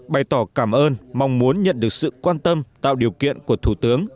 bày tỏ cảm ơn mong muốn nhận được sự quan tâm tạo điều kiện của thủ tướng